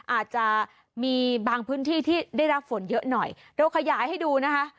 อาจจะมีบางพื้นที่ที่ได้รับฝนเยอะหน่อยเราขยายให้ดูนะคะ